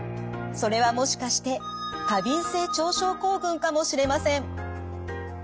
それはもしかして過敏性腸症候群かもしれません。